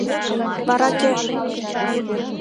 — Вара кӧ?